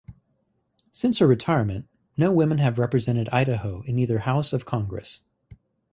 Since her retirement, no women have represented Idaho in either house of Congress.